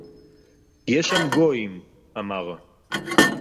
"יֵשׁ שָׁם גּוֹיִים," אָמַר